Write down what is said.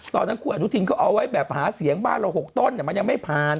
ตอนนั้นคุณอนุทินก็เอาไว้แบบหาเสียงบ้านเรา๖ต้นมันยังไม่ผ่าน